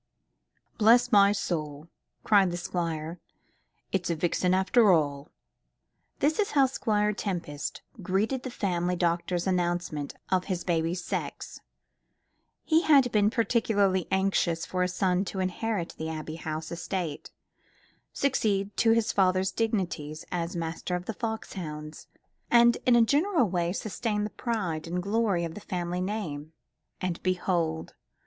"Bless my soul!" cried the Squire; "it's a vixen, after all." This is how Squire Tempest greeted the family doctor's announcement of the his baby's sex. He had been particularly anxious for a son to inherit the Abbey House estate, succeed to his father's dignities as master of the fox hounds, and in a general way sustain the pride and glory of the family name; and, behold!